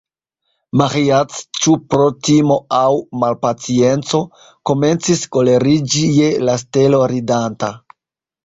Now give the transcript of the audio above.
Maĥiac, ĉu pro timo aŭ malpacienco, komencis koleriĝi je la stelo ridanta.